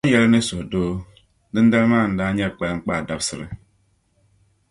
Kpɛm ya li ni suhudoo, dindali maa ndaa nyɛ kpaliŋkpaa dabsili.